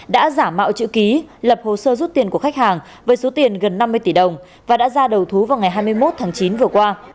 đã giả mạo chữ ký lập hồ sơ rút tiền của khách hàng với số tiền gần năm mươi tỷ đồng và đã ra đầu thú vào ngày hai mươi một tháng chín vừa qua